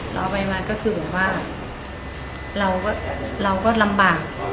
เอาไปมาก็คือแบบว่าเราก็ลำบาก